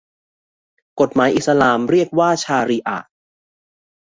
กฎหมายอิสลามเรียกว่าชาริอะฮ์